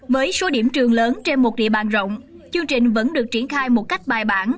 với số điểm trường lớn trên một địa bàn rộng chương trình vẫn được triển khai một cách bài bản